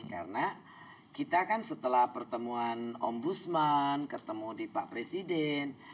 karena kita kan setelah pertemuan om busman ketemu di pak presiden